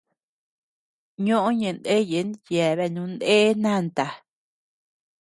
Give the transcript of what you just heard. Ñoʼö ñeʼë ndeyen yeabeanu nee nanta.